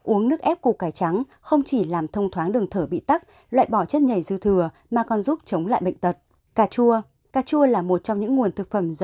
uống nước ép củ cải trắng không chỉ làm thông thoáng đường thở bị tắc loại bỏ chất nhảy dư thừa mà còn giúp chống lại bệnh tật